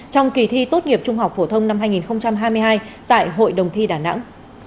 trong kỳ thi tốt nghiệp trung học phổ thông năm hai nghìn hai mươi hai tại hội đồng thi đà nẵng